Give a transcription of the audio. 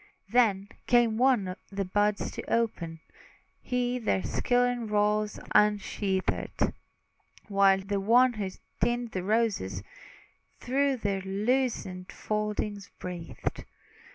Then came one the buds to open; He their silken rolls unsheathed, While the one who tints the roses, Through their loosened foldings breathed.